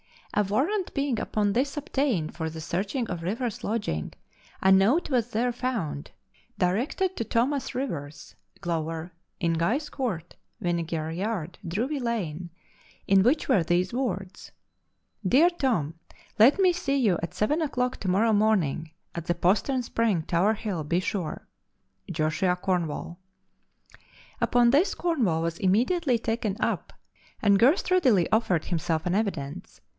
A warrant being upon this obtained for the searching of River's lodging, a note was there found, directed to Thomas Rivers, Glover, in Guy's Court, Vinegar Yard, Drury Lane, in which were these words: Dear Tom, Let me see you at seven o'clock to morrow morning, at the Postern Spring, Tower Hill, be sure. Joshua Cornwall. Upon this Cornwall was immediately taken up and Girst readily offered himself an evidence.